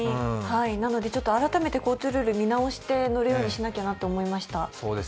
なので改めて交通ルールを見直して乗るようにしなきゃなと思いました。